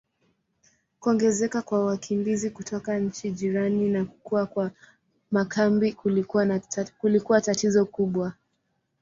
Kuongezeka kwa wakimbizi kutoka nchi jirani na kukua kwa makambi kulikuwa tatizo kubwa.